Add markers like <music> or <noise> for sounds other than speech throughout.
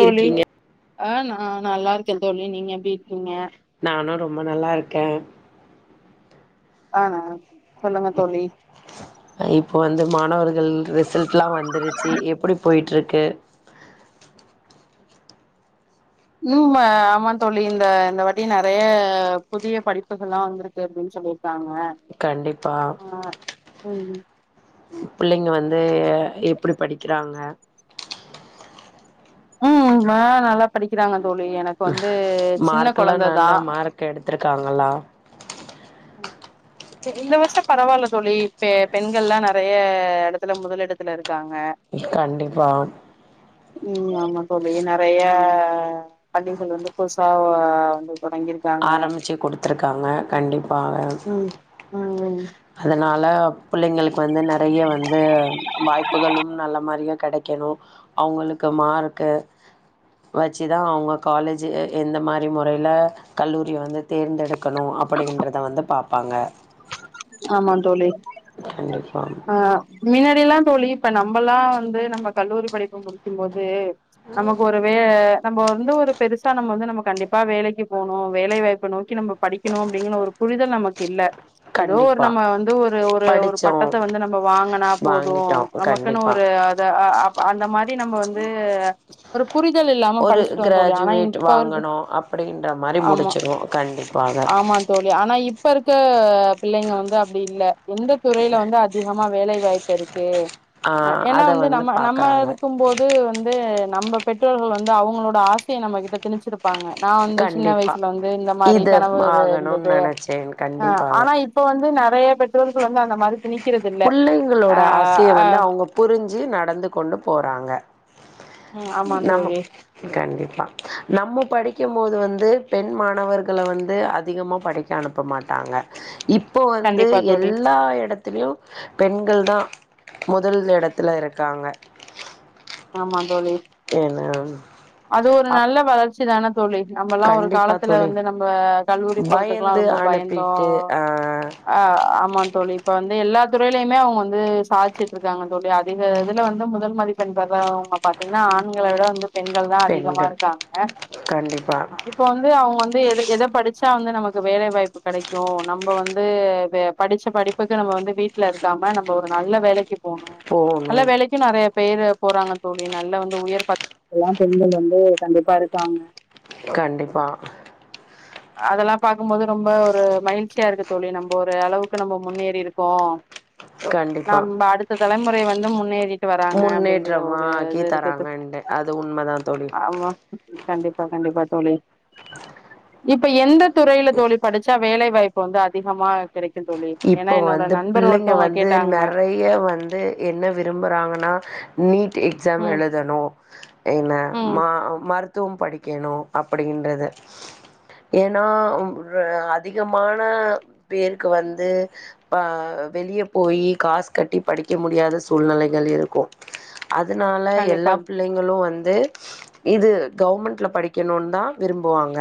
எப்டி இருக்கீங்க ஆஹ் நான் நல்லா இருக்கேன் தோழி நீங்க எப்டிருக்கீங்க ரொம்ப நல்லா இருக்கேன் ஆனா சொல்லுங்க தோளி இப்போ வந்து மாணவர்கள் ரிசல்ட் எல்லாம் வந்துருச்சு எப்படி போயிட்ருக்கு ம் ஆ ஆமா தோழி இந்த இந்த வாட்டி நிறைய புதிய படிப்புகளெல்லா வந்திருக்கு அப்படின்னு சொல்லிருக்காங்க கண்டிப்பா ஹும் பிள்ளைங்க வந்து எப்படி படிக்கிறாங்க உம் ஹா நல்லா படிக்கிறாங்க தோழி எனக்கு ஹ வந்து சின்ன மார்க் எல்லாம் கொழந்ததா நல்லா மார்க் எடுத்திருக்காங்களா இந்த வருஷம் பரவாயில்ல தோழி இப்ப பெண்கள் எல்லா நெறைய இடத்துல முதல் இடத்துல இருக் கண்டிப்பா ம் ஆமா தோழி நிறைய ஆ பள்ளிகள் வந்து புதுசா வந்திரு ஆரம்பிச்சு குடுத்துருக்காங்க கண்டிப்பா உஹம் உஹம் உ அதனால பிள்ளைங்களுக்கு வந்து நிறைய வந்து வாய்ப்புகளும் நல்ல மாரியா கிடைக்கணும் அவங்களுக்கு மார்க்க வச்சுதான் அவங்க காலேஜ் எந்த மாரி முறையில கல்லூரிய வந்து தேர்ந்தெடுக்கணு அப்படின்றத வந்து பாப்பாங்க ஆமா தோழி கண்டிப்பா ஆஹ் மினத் இப்பெல்லாம தோழி இப்ப நம்மல்லா வந்து நம்ம கல்லூரி படிப்பு முடிக்கும் போது நமக்கு ஒருவே நம்ம வந்து ஒரு பெருசா நம்ம வந்து நம்ம கண்டிப்பா வேலைக்கு போணும் வேலை வாய்ப்ப நோக்கி நம்ம படிக்கணு அப்படிங்கிற ஒரு புரிதல் நமக்கில்ல ஏதோ ஒரு கண்டிப்பா நம்ம வந்து ஒரு ஒரு ஒரு படிச்சோ பட்டத்த வந்து நம்ம வாங்கனா போதும் வாங்கிட்டோ நமக்குன்னு கண்டிப்பா ஒரு அ அந்த மாரி நம்ம வந்து ச் ஒர் ஒரு கிராஜுவேட் இருக்கு வாங்கணு அப்படின்ற மாரி ஆமா முடிச்சிருவோம் கண்டிப்பாக இப்பருக்கு பிள்ளைங்க வந்து அப்படி இல்ல எந்த துறையில வந்து அதிகமா வேலை வாய்ப்பு இருக்கு ஆ ஏன்னா அத வந்து நம்ம நம்ம பாக்குறாங்க இருக்கும்போது வந்து நம்ம பெற்றோர்கள் வந்து அவங்களோட ஆசையை நம்ம கிட்ட திணிச்சிருபாங்க நான் வந்து சின்ன கண்டிப்பா வயசுல வந்து இந்த மாதிரி இது கனவு ஆகணுன் இருந்தது நெனச்சேன் கண்டிப்பாக ஆனா வந்து நிறைய பெற்றோர்கள் வந்து அந்த மாதிரி பிள்ளைங்களோட ஆசையை வந்து அவங்க புரிஞ்சு நடந்து கொண்டு போறாங்க ம் ஆமா நாம தோழி கண்டிப்பா நம்ம படிக்கும் போது வந்து பெண் மாணவர்களை வந்து அதிகமா படிக்க அனுப்ப மாட்டாங்க இப்ப இப்போ வந்து கண்டிப்பா தோழி எல்லா இடத்துலயும் பெண்கள் தான் முதல் இடத்துல இருக்காங்க ஆமா தோழி ஏன்னா அது ஒரு அப் நல்ல வளர்ச்சி சான <inaudible> தோழி நம்மல்லாம் ஒரு கண்டிப்பா காலத்துல தோழி வந்து நம்ம கல்லூரி போறதுக்குல்லாம் பயந்து ரொம்ப பயந்தோம் அனுப்பிட்டு ஆ அஹ் ஆமா தோழி இப்ப வந்து எல்லா துறைலயுமே அவங்க வந்து சாதிச்சுட்டு இருக்காங்கோ அதிக இதுல வந்து முதல் மதிப்பண் அவங்க பாத்தீங்கன்னா ஆண்களை விட வந்து பெண்கள் தான் அதிகமா பெண்கள் இருக்காங்க கண்டிப்பா இப்ப வந்து அவங்க வந்து எதை படிச்சா வந்து நமக்கு வேலை வாய்ப்பு கிடைக்கும் நம்ம வந்து படிச்ச படிப்புக்கு நம்ம வந்து வீட்டுல இருக்காம நம்ம ஒரு நல்ல வேலைக்கு போனும் போணு நல்ல வேலைக்கும் நிறைய பேரு போறாங்க தோழி நல்ல வந்து உயர் பதவி எல்லாம் பெண்கள் வந்து கண்டிப்பா இருக்காங்க கண்டிப்பா அதெல்லாம் பார்க்கும்போது ரொம்ப ஒரு மகிழ்ச்சியா இருக்குது தோழி நம்ம ஒரு அளவுக்கு நம்ம முன்னேறி இருக்கோம் கண்டிப்பா நம அடுத்த தலைமுறை வந்து வந்து முன்னேறி வராங்க ட்ரமா ஒரு ஆக்கி இது இருக்குது தராங்க அது உண்மை தான் தோழி ஆமா கண்டிப்பா கண்டிப்பா தோழி இப்ப எந்த துறையில தோழி படிச்சா வேலை வாய்ப்பு வந்து அதிகமா கிடைக்கும் தோழி ஏன்னா இப்போ என்னோட வந்து நண்பர் பிள்ளைங்க ஒருத்தவங்க வந்து கேட்டாங்க நிறைய வந்து என்ன விரும்புறாங்கனா நீ <unintelligible> எக்ஸாம் ம் எழுதனும் என்ன ம் மருத்து த்து படிக்கணும் அப்படின்றது ஏன்னா அதிகமான பேருக்கு வந்து அ வெளியே போயி காசு கட்டி படிக்க முடியாத சூழ்நிலைகள் இருக்கும் அதனால கண்டிப்பா எல்லா பிள்ளைங்களும் வந்து இது கவர்மெண்ட்ல படிக்கணும்னு தான் விரும்புவாங்க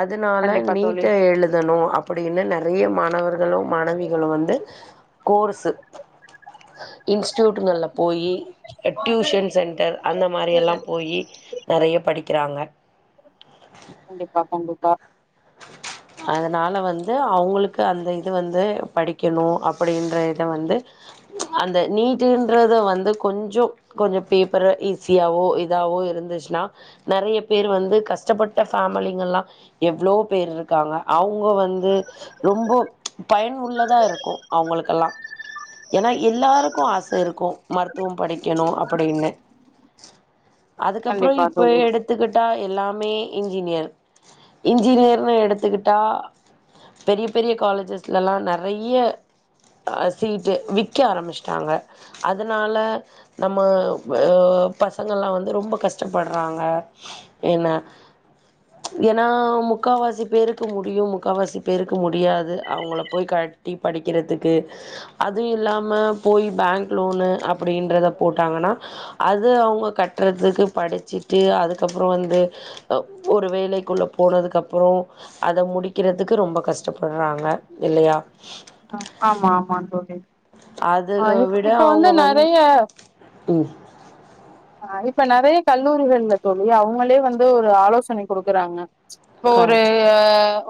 அதனால கண்டிப்பா தோழி நீட்டா எழுதணும் அ அப்படின்னு நிறைய ம ணும் மாணவிகளும் வந்து கோர்ஸ் இண்சூட்கள போயி டூசன்சென்டர்அந்த மாரில்லாம் போயிநிறைய படிச் வைக்கிறாங்க கண்டிப்பா கண்டிப்பா ஆஹ அதனால வந்து அவங்களுக்கு அந்த இது வந்து படிக்கணும் அப்படின்ற இத வந்து அந்த நீட்டுன்றத வந்து கொஞ்சம் கொஞ்சம் பேப்பர் ஈஸியாவோ இதாவோ இருந்துச்சுன்னா நிறைய பேர் வந்து கஷ்டப்பட்ட ஃமிலிங்கல்லாம் எவ்வளவு பேர் இருக்காங்க அவங்க வந்து ரொம்ப பயன் உள்ளதா இருக்கும் அவங்களுக்கெல்லாம் ஏன்னா எல்லாருக்கும் ஆசை இருக்கும் மருத்துவம் படிக்கணும் அப்படின்னு அதுக்கப்புறம் கண்டிப்பா இப்போ தோழி எடுத்துக்கிட்டால் எல்லாமே இன்சினியர் இன்சினியர் னை எடுத்துக்கிட்டா பெரிய பெரிய காலேஜஸ்லலாம் நிறைய சீட்டு விற்க ஆரம்பிச்சிட்டாங்க அதனால நம்ம பசங்கள்லாம் வந்து ரொம்ப கஷ்டப்படுறாங்க என்ன ஏன்னா முக்கால்வாசி பேருக்கு முடியும் முக்கால்வாசி பேருக்கு முடியாது அவங்கள போய் கட்டி படிக்கிறதுக்கு அதுவும் இல்லாமல் போய் பேங்க் லோனு அ அப்படின்றத போட்டாங்கன்னா அது அவங்க கட்டுறதுக்கு படிச்சிட்டு அதுக்கப்புறம் வந்து ஒரு வேலைக்குள்ளே போனதுக்கப்புறம் அப்புறம் அதை முடிக்கிறதுக்கு ரொம்ப கஷ்டப்படுறாங்க இல்லையா ஆமா ஆமா தோழி அது ஆஹ் விட இப்ப அவங்க வந்து வந் நிறையஹ் ம் இப்ப நிறைய கல்லூரிகள்ல சொல்லி அவங்களே வந்து ஒரு ஆலோசனை கொடுக்குறாங்க இப்போ க ஒரு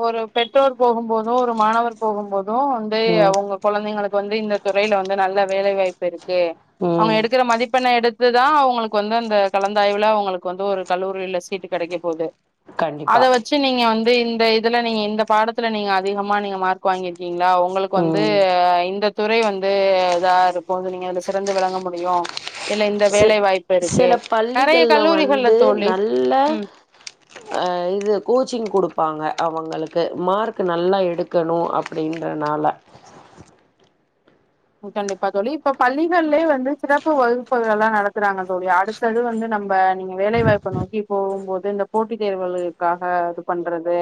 ஒரு பெற்றோர் போகும் போதும் ஒரு மாணவர் போகும் போதும் ம் அவங்க குழந்தைங்களுக்கு வந்து இந்த துறையில வந்து நல்ல வேலைவாய்ப்பு இருக்கு அவங்க ம் எடுக்கிற மதிப் எடுத்து தான் அவங்களுக்கு வந்து அந்த கலந்தாய்வுல அவங்களுக்கு வந்து ஒரு கல்லூரியில சீட்டு கிடைக்க போகுது கண்டிப்பா அத வச்சு நீங்க வந்து இந்த இதுல நீங்க இந்த பாடத்துல நீங்க அதிகமா நீங்க மார்க் வாங்கிருக்கீங்களா உங்களுக்கு வந்து ம் இந்த துறை வந்து இதா இருக்கும் சிறந்து விளங்க முடியும் ச சில நெறைய பள்ளிகள்ல கல்லூரிகள்ல வந்து தோழி நல்ல ம் அஹ் இது கோச்சிங் கொடுப்பாங்க அவங்களுக்கு மார்க் நல்லா எடுக்கணும் அப்படின்றனால கண்டிப்பா தோழி இப்ப பள்ளிகள்லயே வந்து சிறப்பு வகுப்புகள் எல்லாம் நடத்துறாங்க தோழி அடுத்தது வந்து நம்ம நீங்க வேலைவாய்ப்பு நோக்கி போகும்போது இந்த போட்டி தேர்வுலக்காக இது பண்றது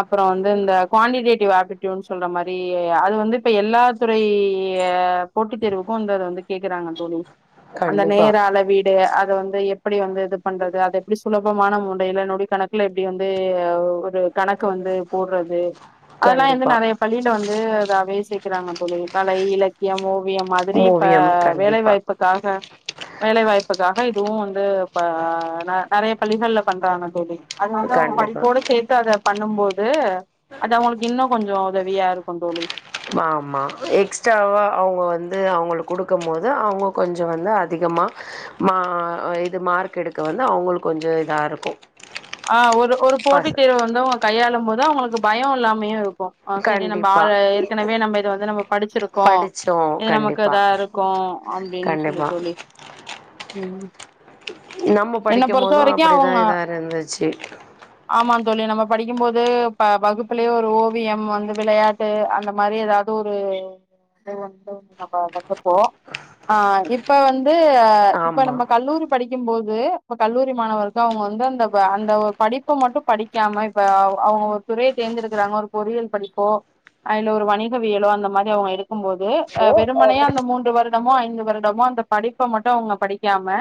அப்புறம் வந்து கல் மாதிரி அது வந்து இப்ப எல்லா துறை போட்டித் தேர்வுக்கும் இந்தை வந்து கேக்குறாங்க தோழி கண்டிப்பா நேர அளவீடு அந்த வந்து எப்படி வந்து இது பண்றது அதது எப்படி சுலபமான முறையில் நொடி கணக்குல எப்படி வந்து ஒரு கணக்கு வந்து போடுறது அதெல்லாம் வந்து கண்டிப்பா நிறைய பள்ளியில வந்து அதாவச இருக்கிறாங்க தொழில் கலையில <unintelligible> ஓவியம் மாதிரி இப்ப ஓவியம் வேலை கண்டிப்பா வாய்ப்புக்காக வேலை வாய்ப்புக்காக இதுவும் வந்து இ நிறைய பள்ளிகல்ல பண்றாங்க தோழி அது வந்து கண்டிப்பா படிப்போட சேர்த்து அதை பண்ணும்போது அது அவங்களுக்கு இன்னும் கொஞ்சம் உதவியாருக்கும் தோழி ஆமா எக்ஸ்ட்ராவா அவங்க வந்து அவங்களுக்கு கொடுக்கும் போோது அவங்க கொஞ்சம் வந்து அதிகமா மா இது மார்க் எடுக்க வந்து அவங்களுக்கு கொஞ்சம் இதா இருக்கும் ஆஹ் ஒரு- ஒரு போட்டி தேர்வு வந்தவங்க கையாள போது அவங்களுக்கு பயம் எல்லாமே இரு ஆஹ் சரி நம்ம ஆ கண்டிப்பா ஏற்கனவே நம்ம இதை வந்து நம்ம படிச்சிருக்கோம் படிச்சோ இது நமக்கு கண்டிப்பா இதா இருக்கும் அப்படின்னு சொல்லி கண்டிப்பா தல்லி உஹ நம்ம படிக்கும் போதும் அப்படிதான் இதா இருந்துச்சு <unintelligible> தழி நம்ம படிக்கும்போது வகுப்பிலயே ஒரு ஓவியம் வந்து விளையாட்டு அந்த மாதிரி ஏதாவது ஒரு ந வப்போம்ஹ இப்ப வந்து இப்ப ஆமா நம்ம கல்லூரி படிக்கும் போது இப்ப கல்லூரி மாணவக்கு அவங்க வந்து அந்த அந்த படிப்பை மட்டும் படிக்காம இப்ப அவங்க ஒரு துறையை தேர்ந்தெடுக்கறாங்க ஒரு பொறல் படிப்போ அல ஒரு வணிகவியலோ அந்த மாதிரி அவங்க இருக்கும்போது இப்போ அ வெறுமனையா அந்த மூன்று வருடமோ ஐந்து வருடமோ அந்த படிப்பை மட்டும் அவங்க படிக்காம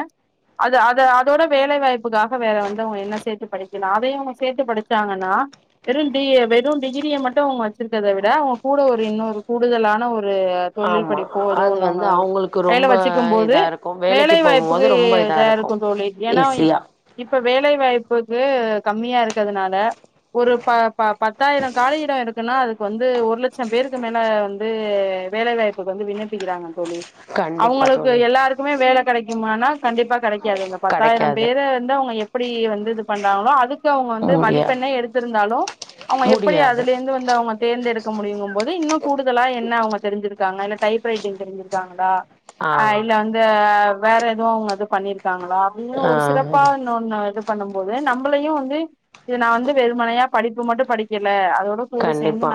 அதோட வேலை வாய்ப்புக்காக வேற வந்து என்ன சேர்த்து படிக்கும் அத சேர்த்து படிச்சாங்கற வெறும்டிகிரியை மட்டும் வ வி கூட இன்னொரு கூடுதலான ஒரு ஒரு தொழில் ஆமா பண்ணி அது போதுன்னாங்க வந்து அவங்களுக்கு கைல ரொம்ப வச்சுக்கும் போது இதா இருக்கு வேலை வேலைக்கு போகும்போது வாய்ப்புக்கு ரொம்ப இதா இருக்கு தோழி ஏனா இ ஈஸியா இப்ப வேலைவாய்ப்புக்கு கம்மியா இருக்கதுனால ஒரு ப ப பத்தாயிர காலி இடொ இருக்குன்னா அதுக்கு வந்து ஒரு லச்சம் பேருக்கு மேல வந்து வேலைவாய்ப்புக்கு வந்து விண்ணப்பிக்கிறாங்க தோழி கண்டிப்பா அவுங்களுக்கு தோழி எல்லாருக்குமே வேல கெடைக்குமானா கண்டிப்பா கடை க்காது அந்த பத்தாயிரம் கெடைக்காது பேரு வந்து அவுங்க எ ப்பிடி வந்து இது பண்றாங்களோ அதுக் கு அவுங்க வந்து முடியாது மதிப்பெண்ணெ எடுத்துருந்தாலு அவுங்க எப்புடி முடியாது அதுலேந்து வந்து அவுங்க தேர்ந்தெடு க்க முடியுங்கம்போது இன்னு கூடுதலா என்ன அவுங்க தெருஞ்சுருக்காங்க இல்ல டைப்ரைட்டிங் தெருஞ்சுருக்காங்களா ஆ இல்ல வந்து வேற எது அவுங்க அது பண்ணிருக்காங்களா அங்யு ஒரு சிறப்பா ஆ இன்னோன்ன இது பண்ணும் போது நம்பளையு வந்து இது நா வந்து வெறுமனையா படிப்பு மட்டு படிக்கல அ கண்டிப்பா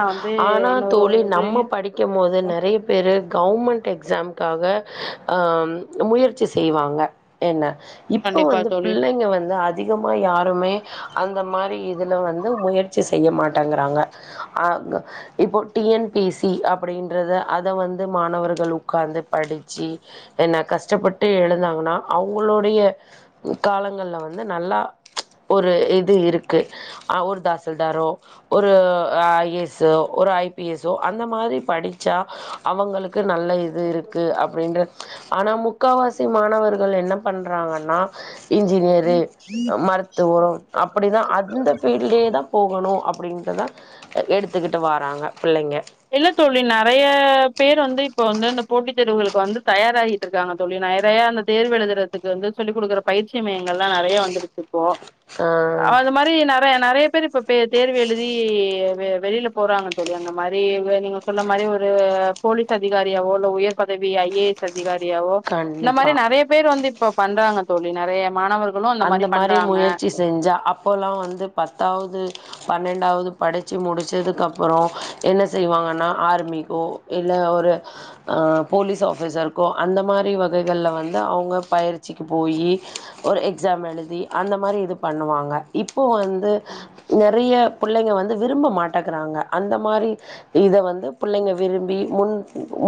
ஆனா தோழி ஒரு நம்ம இதையு படிக்கம்மோது நெறைய பேரு கவர்மெண்ட் எக்ஸாம் காக ஆம் முயற்சி செய்வாங்க என்ன இப்ப கண்டிப்பா வந்து புள்ளெங்க வந்து அதிகமா யாருமே அந்த மாரி இதுல வந்து முயற்சி செய்ய மாட் டங்கிறாங்க ஆ க இப்பொ டி என் பி சி அப்பிடின்றத அத வந்து மாணவர்கள் உக்காந்து படுச்சி என்ன கஷ்டப்பட்டு எழுந்தாங்கனா அவுங்களோடய காலங்கள்ல வந்து நல்லா ஒரு இது இருக்கு அ ஒரு தாசில்தாரோ ஒரு அ ஐ எஸ் சோ ஒரு ஐ பி எஸ் சோ அந்த மாரி படிச்சா அவுங்களுக் கு நல்ல இது தோழி இருக்கு அப்டின்ற ஆனா முக்காவாசி மாணவர்கள் என்ன பண்றாங்கன்னா இன்ஜினியரு மருத்துவரொ அப்பிடிதா அந்த ஃபீல்ட்லயே தா போகணு அப் பிடிங்கதா எடுத்துகிட்டு வாராங்க பிள்ளைங்க இல்ல தோழி நறைய பேர் வந்து இப்ப வந்து இந்த போட்டி தேர்வுகளுக்கு வந்து தயாராகிட்ருக்காங்க தோழி நெறைய அந்த தேர்வு எழுதுறதுக்கு வந்து சொல்லி் குடுக்குற பயிற்சி மையங்கள்லா நறைய வந்துருக்குப்போ ஆ அது மாரி நெறய நறைய பேர் இப்ப பே தேர்வு எழுதி வெ வெளில போறாங்க தோழி அங்க மா ரி வ நீங்க சொல்ல மாரி ஒரு போலீஸ் அதிகாரியாவோ இல்ல உயர் பதவி ஐ ஏ எஸ் அ திகாரியாவோ இந்த கண்டிப்பா மாரி நறைய பேர் வந்து இப்ப பண்றாங்க தோழி நறய அந்த மாரி முயற்சி செஞ்சா அப்பொல்லா வந்து பத்தாவுது பன்னென் டாவுது படிச்சி முடுச்சதுக்கப்பறொ என்ன செய்வாங்கன்னா ஆர்மிக்கோ இல்ல ஒரு அ போலிஸ் ஆஃபிசர்கோ அந்த மாரி வகைகள்ல வந்து அவுங்க பயிர்ச்சிக்கு போயி ஒரு எக் ஸாம் எழுதி அந்த மாரி இது பண்ணுவாங்க இப் போ வந்து ம். நெறைய புள்ளைங்க வந்து விரும்ப மாட்டக்கிறாங்க அந்த மாரி இத வந்து புள்ளங்க விரும்பி முன்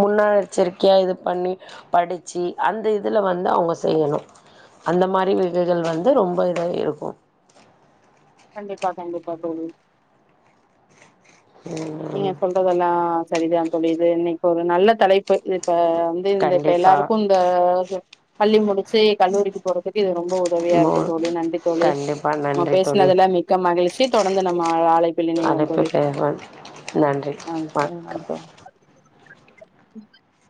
முன்னாச்சரிக்கையா இது பண்ணி படுச்சி அந்த இதுல வந்து அவுங்க செய்யணு அந்த மாரி வி கள் வந்து ரொம்ப இதா இருக்கு கண்டிபா கண்டிபா தோழி ம் நீங்க சொல்றதலா சரிதா தோழி இது இன்னைக் ஒரு நல்ல தலைப்பு இது இப்ப வந்து இந்த இப்ப கண்டிப்பா எல்லாருக்கு இந்த பள்ளி முடிச்சி கல்லூரிக்கு போறதுக்கு இது ரொம் போ உதவியா மோ இருக்கு தோழி நன்றி தோழி கண்டிப்பா நம் நன்றி தோழி பேசினதுல மிக்க மகிழ்ச்சி தொடர்ந்து நம்ம ஆலைப்பிலினைவோம் அழைப்பு தோழி பெறுவேன். நன்றி வண்க்கம் ம்